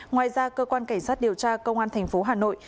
ngoài ra cơ quan cảnh sát điều tra công an tp hà nội đã truyền lại cho